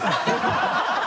ハハハ